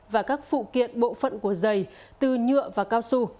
và các phụ kiện bộ phận của dày từ nhựa và cao su